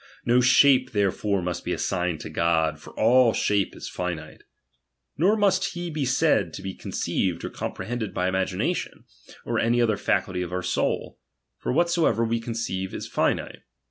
No shape there fore must be assigned to God, for all shape is finite ; nor must he be said to be conceived or comprehended by imagination, or any other faculty of our soul ; for whatsoever we conceive is finite.